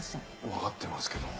わかってますけど。